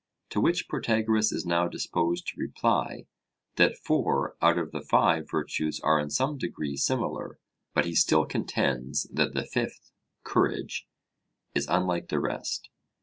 To which Protagoras is now disposed to reply, that four out of the five virtues are in some degree similar; but he still contends that the fifth, courage, is unlike the rest.